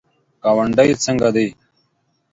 ګاونډی څنګه دی؟